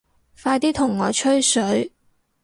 快啲同我吹水